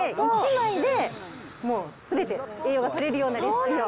１枚でもう、すべて栄養がとれるようなレシピを。